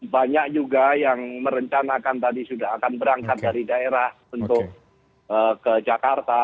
banyak juga yang merencanakan tadi sudah akan berangkat dari daerah untuk ke jakarta